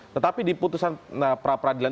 tetapi di putusan peradilan